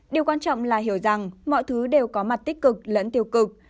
điều quan trọng là hiểu rằng mọi thứ đều có mặt tích cực lẫn tiêu cực